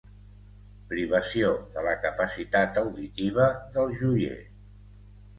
Privació de la capacitat auditiva del joier.